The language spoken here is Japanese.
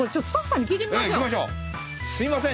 すいません。